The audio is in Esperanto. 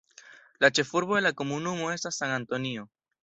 La ĉefurbo de la komunumo estas San Antonio.